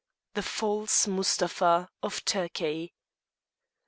THE FALSE MUSTAPHA OF TURKEY.